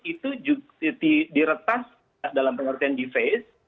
itu diretas dalam pengertian di face